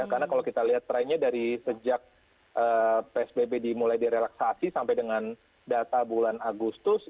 karena kalau kita lihat trennya dari sejak psbb dimulai direlaksasi sampai dengan data bulan agustus